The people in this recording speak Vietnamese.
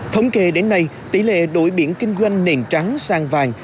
thống kê đến nay tỷ lệ đổi biển kinh doanh nền trắng sang vàng